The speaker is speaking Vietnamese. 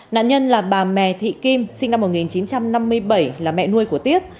nạn nhân là bà mẹ thị kim sinh năm một nghìn chín trăm năm mươi bảy là mẹ nuôi của tiếp